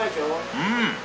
うん。